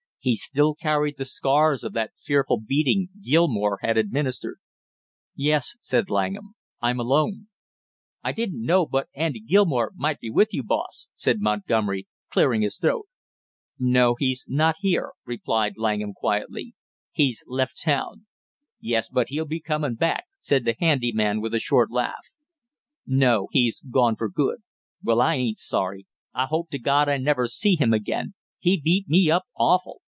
He still carried the scars of that fearful beating Gilmore had administered. "Yes," said Langham. "I'm alone." "I didn't know but Andy Gilmore might be with you, boss," said Montgomery, clearing his throat. "No, he's not here," replied Langham quietly. "He's left town." "Yes, but he'll be comin' back!" said the handy man with a short laugh. "No, he's gone for good." "Well, I ain't sorry. I hope to God I never see him again he beat me up awful!